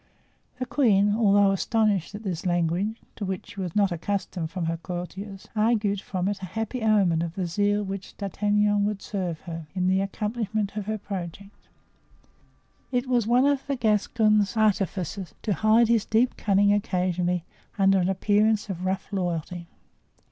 The queen, although astonished at this language, to which she was not accustomed from her courtiers, argued from it a happy omen of the zeal with which D'Artagnan would serve her in the accomplishment of her project. It was one of the Gascon's artifices to hide his deep cunning occasionally under an appearance of rough loyalty.